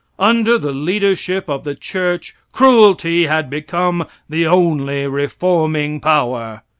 Under the leadership of the church cruelty had become the only reforming power.